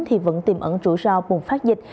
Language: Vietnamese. thì vẫn tìm ẩn rủi ro buồn phát dịch